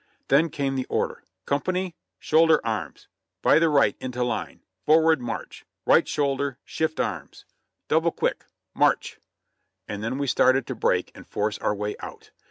Then came the order, "Company ! Shoulder arms ! By the right into line! Forward, march! Right shoulder, shift arms! THE FIRST RETREAT 39 Double quick ; March !" And then we started to break and force our way out.